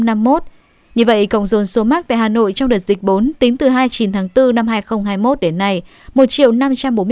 như vậy cộng dồn số mắc tại hà nội trong đợt dịch bốn tính từ hai mươi chín tháng bốn năm hai nghìn hai mươi một đến nay một năm trăm bốn mươi hai trăm tám mươi ba ca